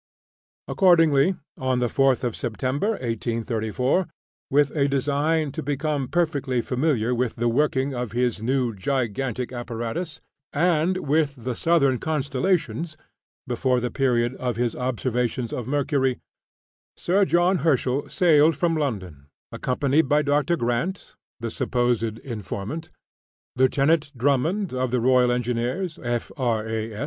Accordingly, on the 4th of September, 1834, with a design to become perfectly familiar with the working of his new gigantic apparatus, and with the Southern Constellations, before the period of his observations of Mercury, Sir John Herschel sailed from London, accompanied by Doctor Grant (the supposed informant,) Lieutenant Drummond, of the Royal Engineers, F.R.A.